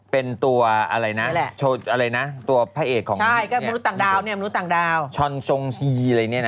เป็นตัวอะไรนะตัวพระเอกของมนุษย์ต่างดาวมนุษย์ต่างดาวชอนชงซีอะไรเนี่ยนะ